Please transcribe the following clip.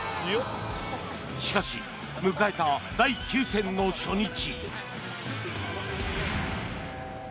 しかし、迎えた第９戦の初日。